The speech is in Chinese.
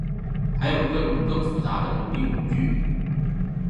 还有各种更复杂的独立工具。